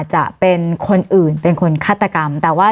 วันนี้แม่ช่วยเงินมากกว่า